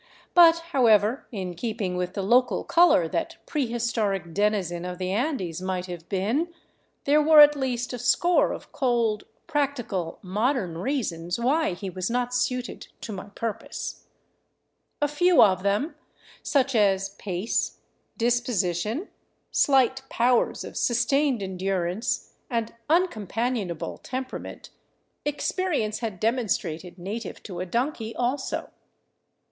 But however in keeping with the local color that prehistoric denizen of the Andes might have been, there were at least a score of cold, practical, modern reasons why he was not suited to my purpose. A few of them, such as pace, disposition, slight powers of sustained endurance, and uncompanionable temperament, experience had demonstrated native to a donkey, also.